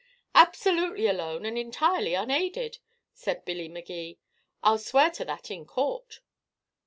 "Absolutely alone and entirely unaided," said Billy Magee. "I'll swear to that in court."